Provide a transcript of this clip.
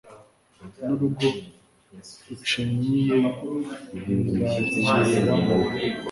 n'urugo rucinyiye nzakiriramo